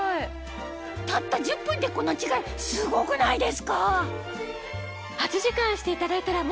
たった１０分でこの違いすごくないですか